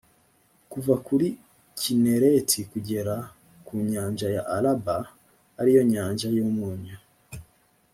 kuva kuri kinereti kugera ku nyanja ya araba, ari yo nyanja y’umunyu